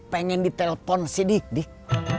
pengen ditelepon si dik dik